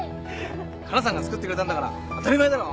かなさんが作ってくれたんだから当たり前だろ。